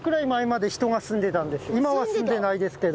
今は住んでないですけど。